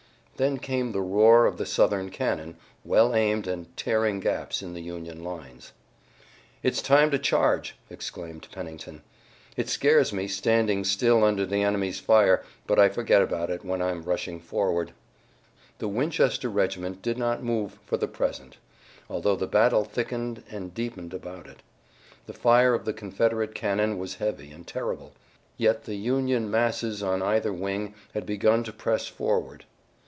Then came the roar of the Southern cannon, well aimed and tearing gaps in the Union lines. "Its time to charge!" exclaimed Pennington. "It scares me, standing still under the enemy's fire, but I forget about it when I'm rushing forward." The Winchester regiment did not move for the present, although the battle thickened and deepened about it. The fire of the Confederate cannon was heavy and terrible, yet the Union masses on either wing had begun to press forward.